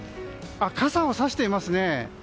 傘をさしていますね。